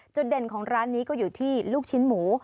เด่นของร้านนี้ก็อยู่ที่ลูกชิ้นหมู